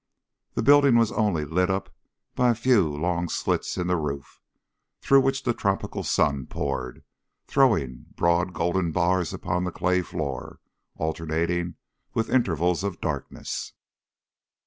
The building was only lit up by a few long slits in the roof, through which the tropical sun poured, throwing broad golden bars upon the clay floor, alternating with intervals of darkness.